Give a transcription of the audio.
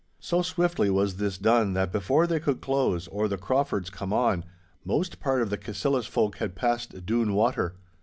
So swiftly was this done that before they could close or the Craufords come on, most part of the Cassillis folk had passed Doon water.